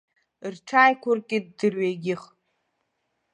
Рҽааиқәыркит дырҩегьых.